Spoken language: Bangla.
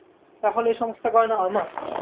– তা হলে এ সমস্ত গয়না আমার?